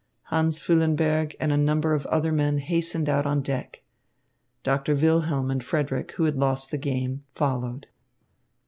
Hans Füllenberg and a number of other men hastened out on deck. Doctor Wilhelm and Frederick, who had lost the game, followed.